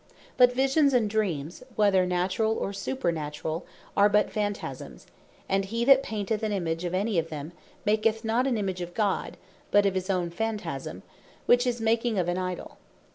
But Visions, and Dreams whether naturall, or supernaturall, are but Phantasmes: and he that painteth an Image of any of them, maketh not an Image of God, but of his own Phantasm, which is, making of an Idol.